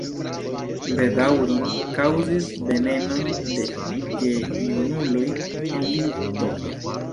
Bedaŭron kaŭzis neveno de gejunuloj el Litovio.